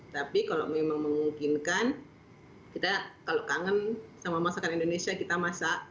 tapi kalau memang memungkinkan kita kalau kangen sama masakan indonesia kita masak